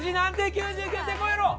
９９点超えろ！